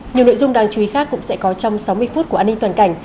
nhiều nội dung đáng chú ý khác cũng sẽ có trong sáu mươi phút của an ninh toàn cảnh